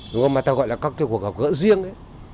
đúng không mà ta gọi là các cái cuộc gặp gỡ riêng đấy